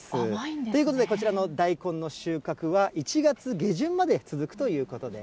ということで、こちらの大根の収穫は、１月下旬まで続くということです。